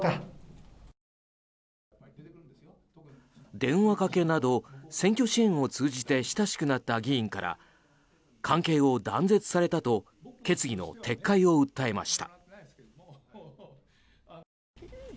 電話かけなど選挙支援を通じて親しくなった議員から関係を断絶されたと決議の撤回を訴えました。